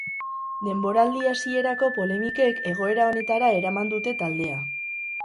Denboraldi hasierako polemikek egoera honetara eraman dute taldea.